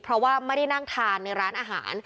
เพราะว่าไม่ได้นั่งทานในร้านอาหาร